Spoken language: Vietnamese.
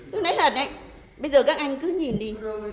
tôi nói thật đấy bây giờ các anh cứ nhìn đi